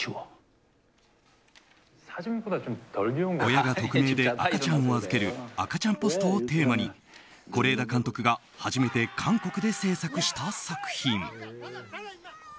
親が匿名で赤ちゃんを預ける赤ちゃんポストをテーマに是枝監督が初めて韓国で制作した作品。